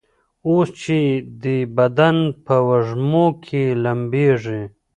اوس چي دي بدن په وږمو کي لمبیږي